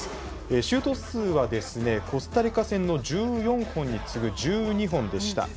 シュート数はですねコスタリカ戦の１４本に次ぐ１２本でした。